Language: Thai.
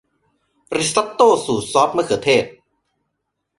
ริซอตโต้สูตรซอสมะเขือเทศ